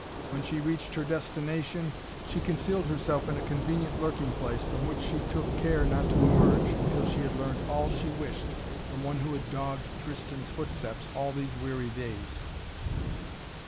When she reached her destination she concealed herself in a convenient lurking place from which she took care not to emerge till she had learned all she wished from one who had dogged Tristan's footsteps all these weary days.